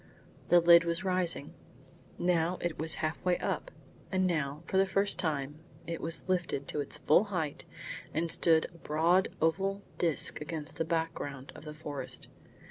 The lid was rising. Now it was half way up, and now, for the first time, it was lifted to its full height and stood a broad oval disc against the background of the forest.